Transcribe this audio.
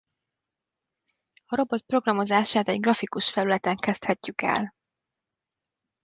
A robot programozását egy grafikus felületen kezdhetjük el.